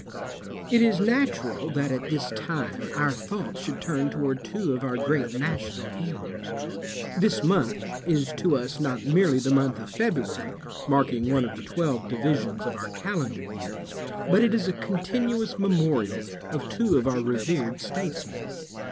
It is natural that at this time our thoughts should turn toward two of our great national heroes. This month is to us not merely the month of February, marking one of the twelve divisions of our calendar year, but it is a continuous memorial of two of our revered statesmen.